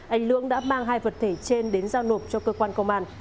anh lương đã mang hai vật thể trên đến giao nộp cho cơ quan công an